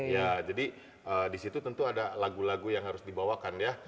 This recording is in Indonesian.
ya jadi disitu tentu ada lagu lagu yang harus dibawakan ya